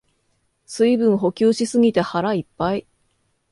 水分補給しすぎて腹いっぱい